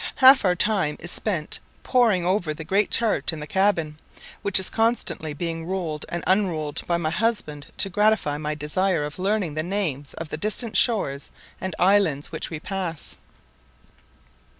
Half our time is spent poring over the great chart in the cabin, which is constantly being rolled and unrolled by my husband to gratify my desire of learning the names of the distant shores and islands which we pass.